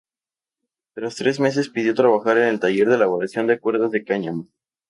Tras tres meses pidió trabajar en el taller de elaboración de cuerdas de cáñamo.